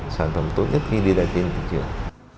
sản phẩm tốt nhất khi đi lại trên thị trường